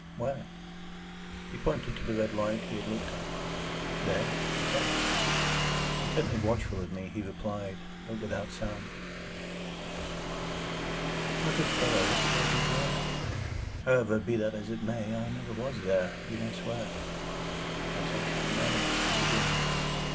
"Where?" He pointed to the red light he had looked at. "There?" I said. Intently watchful of me, he replied (but without sound), "Yes." "My good fellow, what should I do there? However, be that as it may, I never was there, you may swear." "I think I may," he rejoined.